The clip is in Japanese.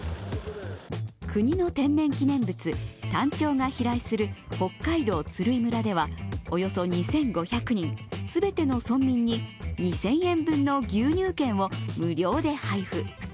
国の天然記念物、タンチョウが飛来する北海道鶴居村ではおよそ２５００人、全ての村民に２０００円分の牛乳券を無料で配布。